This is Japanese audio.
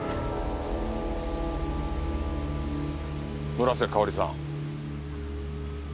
村瀬香織さん。